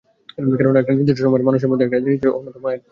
কেননা, একটা নির্দিষ্ট আয়ের মানুষের জন্য এটি একটি অন্যতম আয়ের পথ।